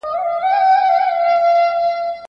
دا ماډل ډېر پلورل شوی دی.